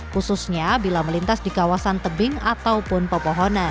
khususnya bila melintas di kawasan tebing ataupun pepohonan